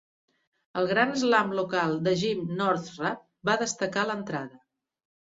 El Grand slam local de Jim Northrup va destacar l'entrada.